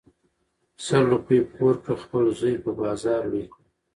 سل روپی پور کړه خپل زوی په بازار لوی کړه .